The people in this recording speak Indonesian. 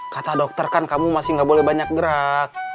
kata dokter kan kamu masih nggak boleh banyak gerak